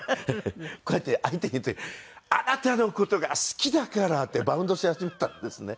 こうやって相手に言う時「あなたの事が好きだから」ってバウンドし始めたんですね。